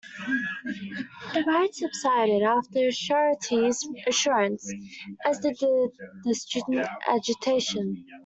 The riots subsided after Shastri's assurance, as did the student agitation.